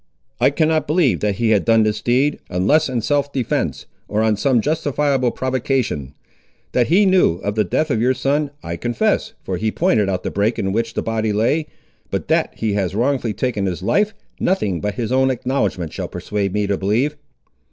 "I cannot believe that he has done this deed, unless in self defence, or on some justifiable provocation. That he knew of the death of your son, I confess, for he pointed out the brake in which the body lay, but that he has wrongfully taken his life, nothing but his own acknowledgment shall persuade me to believe."